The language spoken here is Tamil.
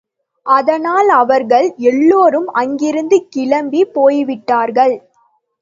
அதனால் அவர்கள் எல்லோரும் அங்கிருந்து கிளம்பிப் போய்விட்டார்கள்.